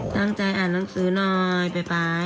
ตั้งใจอ่านหนังสือหน่อยบ่าย